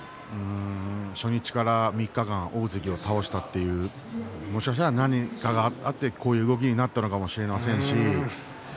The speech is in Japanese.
初日から３日間大関を倒したというもしかしたら何かがあって、こういう動きになったのかもしれませんしね。